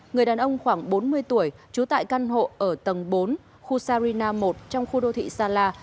người đàn ông khoảng bốn mươi tuổi trú tại căn hộ ở tầng bốn khu sarina một trong khu đô thị sala